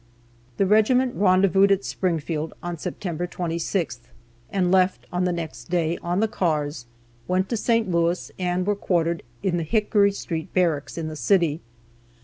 The regiment rendezvoused at Springfield on September 26th, and left on the next day, on the cars, went to St. Louis, and were quartered in the Hickory Street Barracks, in the city.